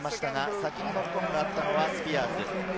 先にノックオンがあったのがスピアーズ。